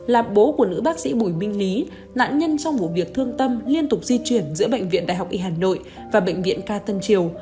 là bố của nữ bác sĩ bùi minh lý nạn nhân trong vụ việc thương tâm liên tục di chuyển giữa bệnh viện đại học y hà nội và bệnh viện ca tân triều